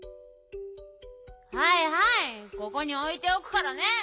はいはいここにおいておくからね。